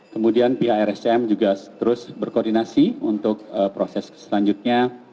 kemudian pihak rscm juga terus berkoordinasi untuk proses selanjutnya